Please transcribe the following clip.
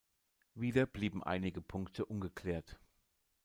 Wieder blieben einige Punkte ungeklärt.